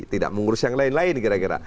tidak mengurus yang lain lain kira kira